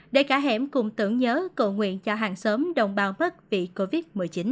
để cả hẻm cùng tưởng nhớ cầu nguyện cho hàng xóm đồng bào bắc vì covid một mươi chín